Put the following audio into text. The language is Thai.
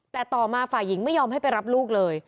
แต่ต่อมาฝ่ายหญิงไม่ยอมให้ไปรับลูกเลย